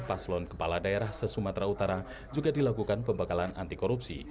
paslon kepala daerah se sumatera utara juga dilakukan pembekalan anti korupsi